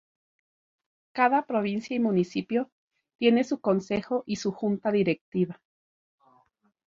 Cada provincia y municipio tiene su consejo y su junta directiva.